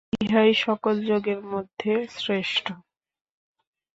ইহাই সকল যোগের মধ্যে শ্রেষ্ঠ।